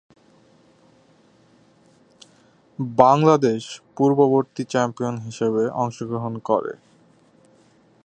বাংলাদেশ পূর্ববর্তী চ্যাম্পিয়ন হিসেবে অংশগ্রহণ করে।